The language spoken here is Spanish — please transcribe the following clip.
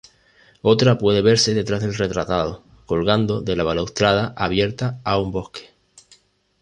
Otra puede verse detrás del retratado, colgando de la balaustrada abierta a un bosque.